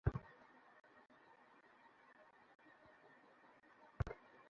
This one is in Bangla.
আমার আব্বার বিশাল খামার ছিল।